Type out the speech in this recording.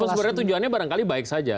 oh sebenarnya tujuannya barangkali baik saja